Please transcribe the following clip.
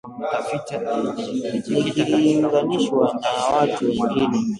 Nikilinganishwa na watu wengine